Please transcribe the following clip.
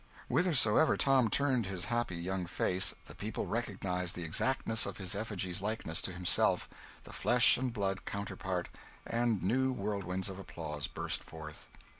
Whithersoever Tom turned his happy young face, the people recognised the exactness of his effigy's likeness to himself, the flesh and blood counterpart; and new whirlwinds of applause burst forth.